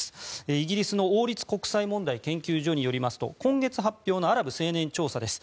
イギリスの王立国際問題研究所によりますと今月発表のアラブ青年調査です。